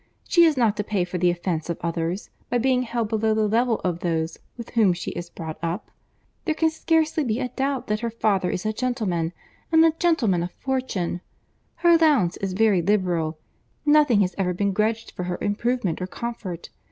She is not to pay for the offence of others, by being held below the level of those with whom she is brought up.—There can scarcely be a doubt that her father is a gentleman—and a gentleman of fortune.—Her allowance is very liberal; nothing has ever been grudged for her improvement or comfort.